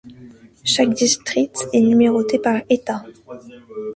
Chaque district est numéroté par État.